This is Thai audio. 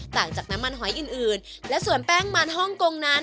ต่างจากน้ำมันหอยอื่นอื่นและส่วนแป้งมันฮ่องกงนั้น